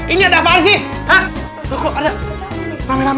ini ada apaan sih